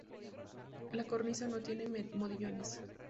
La cornisa no tiene modillones.